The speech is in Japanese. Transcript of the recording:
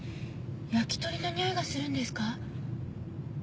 焼き鳥のにおいがするんですか？